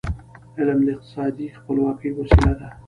علم د اقتصادي خپلواکی وسیله ده.